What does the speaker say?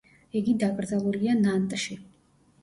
იგი დაკრძალულია ნანტში.